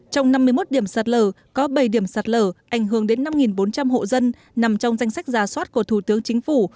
trong năm mươi một điểm sạt lở có bảy điểm sạt lở ảnh hưởng đến năm bốn trăm linh hộ dân nằm trong danh sách giả soát của thủ tướng chính phủ